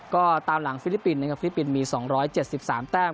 ก็ตามหลังฟิลิปปินส์นะครับฟิลิปปินส์มี๒๗๓แต้ม